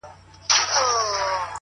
ټول پیکر ښکلی کوي